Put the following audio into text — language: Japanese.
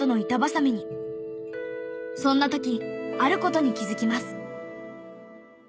そんな時ある事に気づきます。